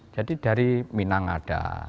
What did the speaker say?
jadi dari minang ada